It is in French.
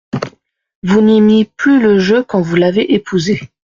Vous n'aimiez plus le jeu quand vous l'avez épousé.